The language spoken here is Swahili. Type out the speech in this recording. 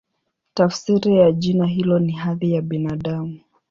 Tafsiri ya jina hilo ni "Hadhi ya Binadamu".